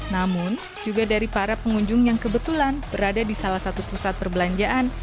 namun juga dari para pengunjung yang kebetulan berada di salah satu pusat perbelanjaan